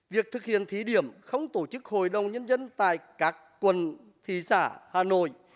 việc thực hiện thí điểm không tổ chức hội đồng nhân dân tại các quần thị xã hà nội